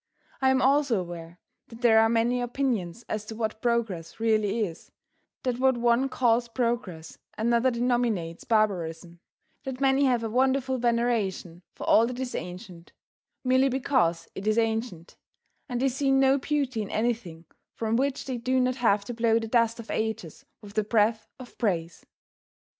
I am also aware that there are many opinions as to what progress really is, that what one calls progress, another denominates barbarism; that many have a wonderful veneration for all that is ancient, merely because it is ancient, and they see no beauty in anything from which they do not have to blow the dust of ages with the breath of praise.